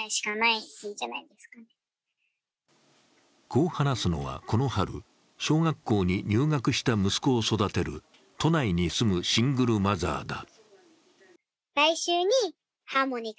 こう話すのは、この春小学校に入学した息子を育てる都内に住むシングルマザーだ。